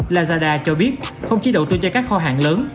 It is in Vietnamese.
lazada cho biết không chỉ đầu tư cho các kho hàng lớn